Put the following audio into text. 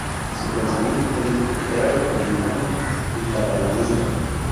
Su pensamiento político era republicano y catalanista.